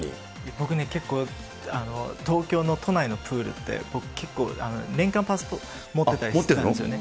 僕ね、結構、東京の都内のプールって、僕、結構、年間パスポート持ってたりしたんですよね。